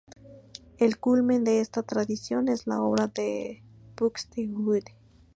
El culmen de esta tradición es la obra de Buxtehude.